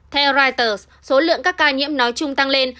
theo reuters số lượng các ca nhiễm nói chung tăng lên